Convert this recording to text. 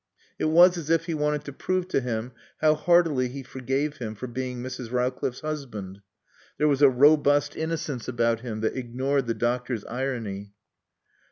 It was as if he wanted to prove to him how heartily he forgave him for being Mrs. Rowcliffe's husband. There was a robust innocence about him that ignored the doctor's irony.